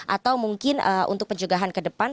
atau mungkin untuk pencegahan ke depan